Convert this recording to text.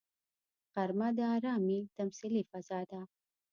غرمه د ارامي تمثیلي فضا ده